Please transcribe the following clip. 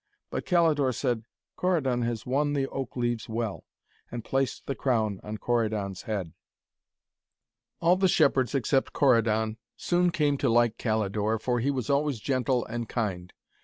But Calidore said 'Corydon has won the oak leaves well,' and placed the crown on Corydon's head. All the shepherds except Corydon soon came to like Calidore, for he was always gentle and kind.